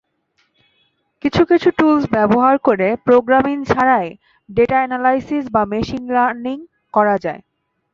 কিছু কিছু টুলস ব্যবহার করে প্রোগ্রামিং ছাড়াই ডেটা এনালাইসিস বা মেশিন লার্নিং করা যায়।